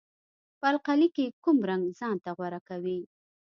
په القلي کې کوم رنګ ځانته غوره کوي؟